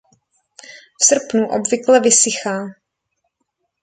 V srpnu obvykle vysychá.